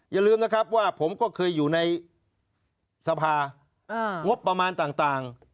อย่าลืมนะครับว่าผมก็เคยอยู่ในสภางบประมาณต่าง